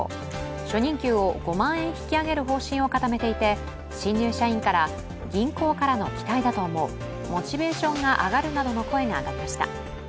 初任給を５万円引き上げる方針を固めていて新入社員から、銀行からの期待だと思う、モチベーションが上がるなどの声が上がりました。